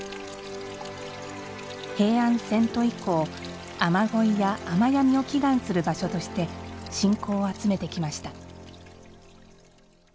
平安遷都以降「雨乞い」や「雨止み」を祈願する場所として信仰を集めてきました。